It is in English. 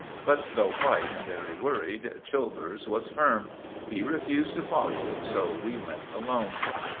But though white and very worried, Chilvers was firm. He refused to follow, so we went alone.